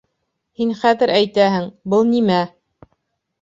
Һин хәҙер әйтәһең, был нимә?